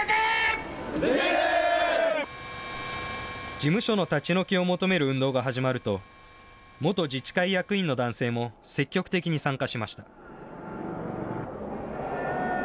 事務所の立ち退きを求める運動が始まると、元自治会役員の男性も積極的に参加しました。